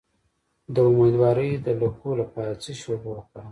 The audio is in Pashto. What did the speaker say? د امیدوارۍ د لکو لپاره د څه شي اوبه وکاروم؟